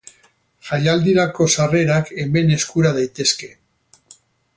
Jaialdirako sarrerak hemen eskura daitezke.